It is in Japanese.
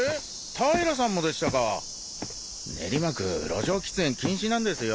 平さんもでしたか練魔区路上喫煙禁止なんですよ